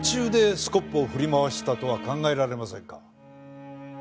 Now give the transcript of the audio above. スコップを振り回したとは考えられませんか？